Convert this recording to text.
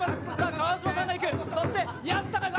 川島さんがいく。